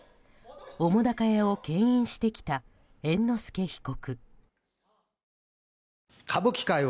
澤瀉屋を牽引してきた猿之助被告。